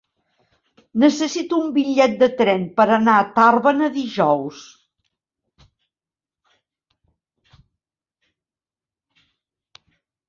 Necessito un bitllet de tren per anar a Tàrbena dijous.